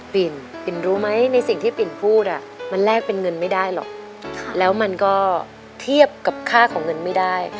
ปิ่นปิ่นรู้ไหมในสิ่งที่ปิ่นพูดมันแลกเป็นเงินไม่ได้หรอกแล้วมันก็เทียบกับค่าของเงินไม่ได้